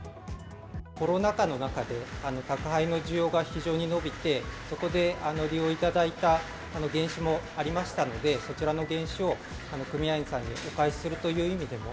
コロナ禍の中で、宅配の需要が非常に伸びて、そこで利用いただいた原資もありましたので、そちらの原資を組合員さんにお返しするという意味でも。